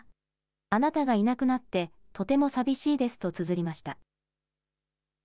あなたがいなくなってとても寂しいですとつづりました。